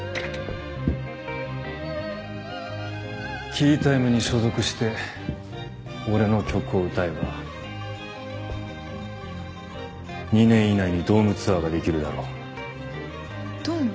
ＫＥＹＴＩＭＥ に所属して俺の曲を歌えば２年以内にドームツアーができるだろうドーム？